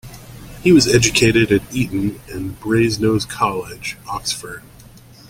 He was educated at Eton and Brasenose College, Oxford.